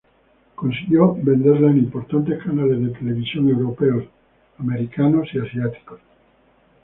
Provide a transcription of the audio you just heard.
Consiguió venderla en importantes canales de televisión europeos, americanos y asiáticos.